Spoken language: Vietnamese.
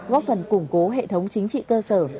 góp phần củng cố hệ thống chính trị cơ sở